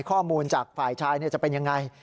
ข้อมูลจากฝ่ายชายจะเป็นยังไง